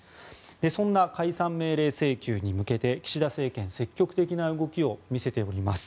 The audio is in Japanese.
そんな解散命令請求に向けて岸田政権積極的な動きを見せております。